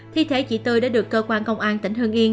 thi thể chị tư đã được cơ quan công an tỉnh hương yên